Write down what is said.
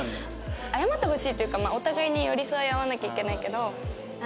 謝ってほしいっていうかお互いに寄り添い合わなきゃいけないけど。